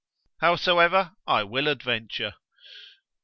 Howsoever I will adventure.